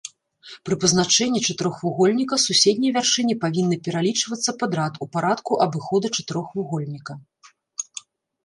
Пры пазначэнні чатырохвугольніка суседнія вяршыні павінны пералічвацца падрад у парадку абыхода чатырохвугольніка.